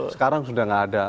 sekarang sudah gak ada